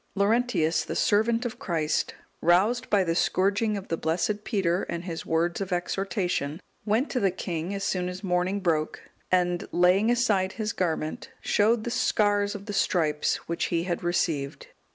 Laurentius, the servant of Christ, roused by the scourging of the blessed Peter and his words of exhortation, went to the king as soon as morning broke, and laying aside his garment, showed the scars of the stripes which he had received.